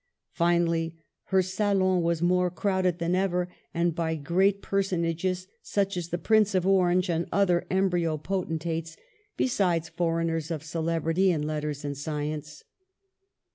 Finally, her salon was more crowded than ever, and by great personages, such as the Prince of Orange and other embryo potentates, besides foreigners of celebrity in letters and sci ence.